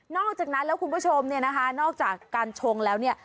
อกจากนั้นแล้วคุณผู้ชมเนี่ยนะคะนอกจากการชงแล้วเนี่ย